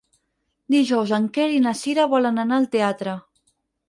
Dijous en Quer i na Cira volen anar al teatre.